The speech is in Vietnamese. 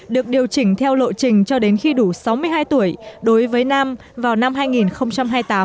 được điều chỉnh theo lộ trình cho đến khi đủ sáu mươi hai tuổi đối với nam vào năm hai nghìn hai mươi tám